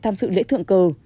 tham sự lễ thượng cơ